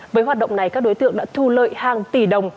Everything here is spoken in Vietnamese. với hoạt động này các đối tượng đã thu lợi hàng tỷ đồng